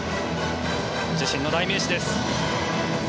自身の代名詞です。